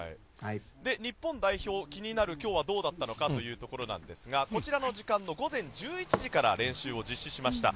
日本代表、気になる今日はどうだったのかというとこちらの時間の午前１１時から練習を開始しました。